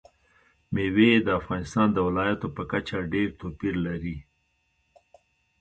مېوې د افغانستان د ولایاتو په کچه ډېر توپیر لري.